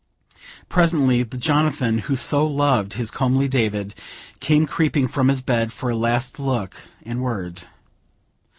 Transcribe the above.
Presently, the Jonathan who so loved this comely David, came creeping from his bed for a last look and word.